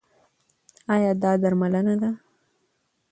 ایا دا درملنه ده؟